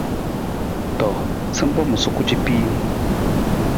To, sampa ma suku capiin.